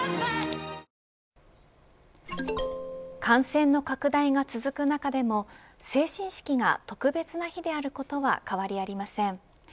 ＪＴ感染の拡大が続く中でも成人式が特別な日であることは変わりありません。